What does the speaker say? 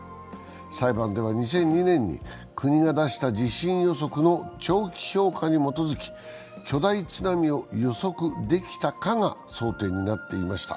裁判では２００２年に国が出した地震予測の長期評価に基づき巨大津波を予測できたかが争点になっていました。